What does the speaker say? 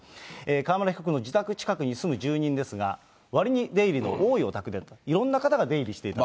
川村被告の自宅近くに住む住人ですが、わりに出入りの多いお宅でしたね、いろんな方が出入りしていたと。